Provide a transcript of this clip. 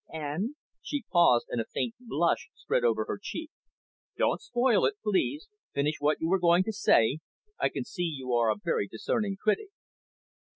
And " She paused, and a faint blush spread over her cheek. "Don't spoil it, please. Finish what you were going to say. I can see you are a very discerning critic."